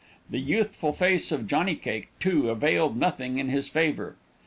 The youthful face of Johnny Cake, too, availed nothing in his favor.